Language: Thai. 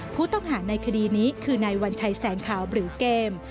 ผู้ต้องหาในคดีนี้คือนายวัญชัยแสงขาวหรือเกม